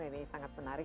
ini sangat menarik